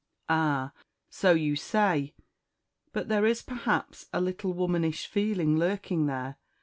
"Ah! so you say; but there is, perhaps, a little womanish feeling lurking there.